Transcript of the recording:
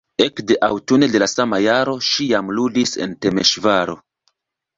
Ekde aŭtune de la sama jaro ŝi jam ludis en Temeŝvaro.